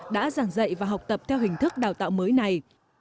đã giảng dạy và học tập theo hình thức đào tạo mới này